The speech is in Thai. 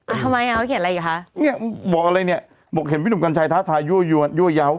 อ่าทำไมอ่ะเขาเขียนอะไรอยู่ฮะเนี่ยบอกอะไรเนี่ยบอกเห็นพี่หนุ่มกัญชัยท้าทายั่วเยาว์